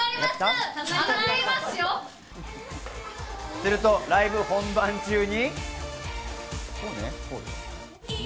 するとライブ本番中に。